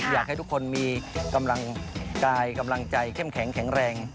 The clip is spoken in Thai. อยากให้ทุกคนมีกำลังกายกำลังใจเข้มแข็งแข็งแรง